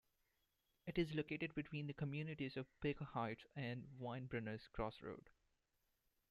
It is located between the communities of Baker Heights and Winebrenners Crossroad.